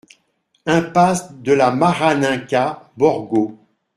Impasse de la Maraninca, Borgo